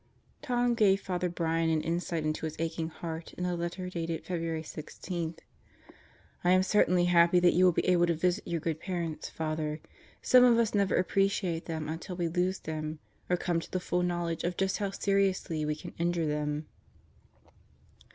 Tom gave Father Brian an insight into his aching heart in a letter dated February 16: I am certainly happy that you will be able to visit your good parents, Father. Some of us never appreciate them until we lose them or come to the full knowledge of just how seriously we can injure them.